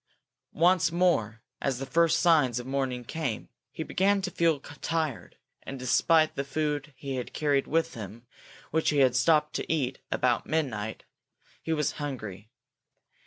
Once more, as the first signs of morning came, he began to feel tired, and, despite the food he had carried with him which he had stopped to eat about midnight, he was hungry.